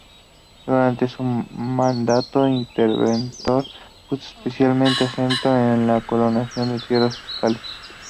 Durante su mandato interventor, puso especialmente acento en la colonización de tierras fiscales.